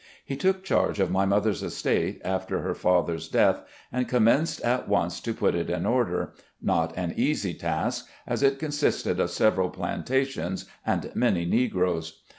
He took charge of my mother's estate after her father's death, and commenced at once to put it in order — ^not an easy task, as it con sisted of several plantations and many negroes.